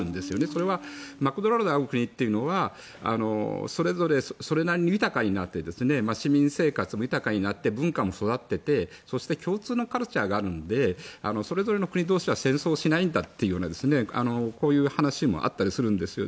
それはマクドナルドがある国というのはそれぞれそれなりに豊かになって市民生活も豊かになって文化も育っていてそして共通のカルチャーがあるのでそれぞれの国同士は戦争しないんだというようなこういう話もあったりするんですよ。